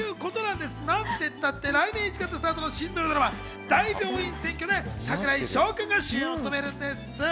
なんてったって来年１月スタートの新ドラマ『大病院占拠』で櫻井翔くんが主演を務めるんです。